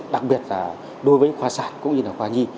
đặc biệt là đối với khoa sản cũng như là khoa nhi